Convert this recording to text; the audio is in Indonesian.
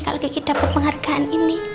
kalo kiki dapet penghargaan ini